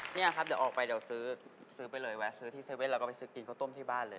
เนี่ยครับเดี๋ยวออกไปเดี๋ยวซื้อซื้อไปเลยแวะซื้อที่๗๑๑แล้วก็ไปซื้อกินข้าวต้มที่บ้านเลย